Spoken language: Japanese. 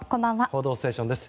「報道ステーション」です。